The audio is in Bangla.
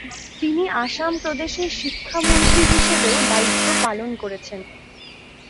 তিনি আসাম প্রদেশের শিক্ষামন্ত্রী হিসেবেও দায়িত্ব পালন করেছেন।